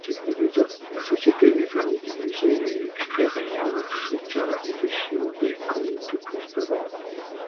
La Société des Amis du Musée gruérien soutient l'institution et compte plus de membres.